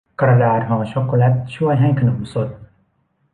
กระดาษห่อช็อคโกแลตช่วยให้ขนมสด